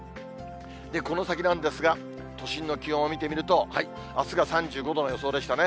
この先なんですが、都心の気温を見てみると、あすが３５度の予想でしたね。